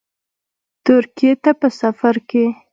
ترکیې ته په سفرکې